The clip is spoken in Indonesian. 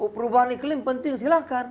perubahan iklim penting silakan